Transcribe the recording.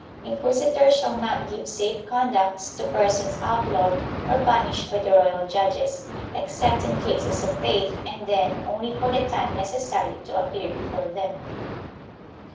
Inquisitors shall not give safe conducts to persons outlawed or banished by the royal judges, except in cases of faith and then only for the time necessary to appear before them.